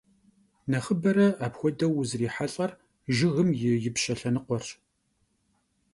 Nexhıbere apxuedeu vuzrihelh'er jjıgım yi yipşe lhenıkhuerş.